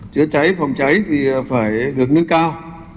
chứa cháy phòng cháy thì phải được nâng cao